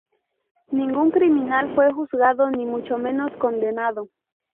Ningún criminal fue juzgado ni mucho menos condenado.